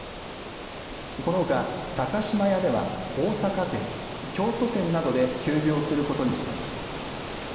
このほか高島屋では大阪店、京都店などで休業することにしています。